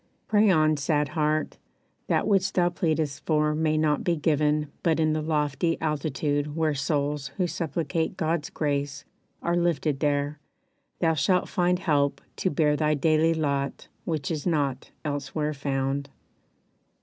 Pray on, sad heart, That which thou pleadest for may not be given But in the lofty altitude where souls Who supplicate God's grace are lifted there Thou shalt find help to bear thy daily lot Which is not elsewhere found.